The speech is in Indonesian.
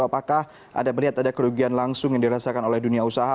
apakah anda melihat ada kerugian langsung yang dirasakan oleh dunia usaha